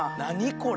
これ。